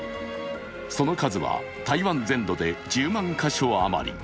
その数は台湾全土で１０万か所余り。